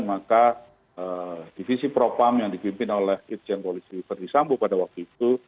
maka divisi propam yang dipimpin oleh irjen polisi verdi sambo pada waktu itu